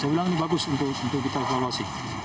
saya bilang ini bagus untuk kita evaluasi